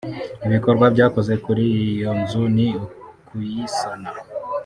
Ibikorwa byakozwe kuri iyo nzu ni ukuyisana